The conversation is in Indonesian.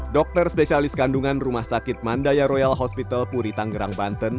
dokter spesialis kandungan rumah sakit mandaya royal hospital puri tanggerang banten